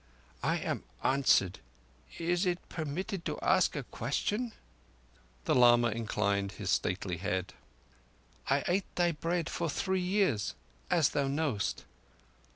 "I am answered. Is it permitted to ask a question?" The lama inclined his stately head. "I ate thy bread for three years—as thou knowest.